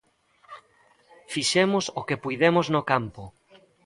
Fixemos o que puidemos no campo.